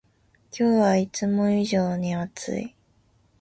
今日はいつも以上に暑い